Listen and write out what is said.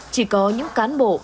chỉ có những cán bộ